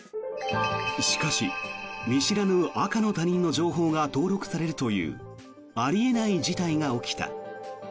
しかし、見知らぬ赤の他人の情報が登録されるというあり得ない事態が起きた。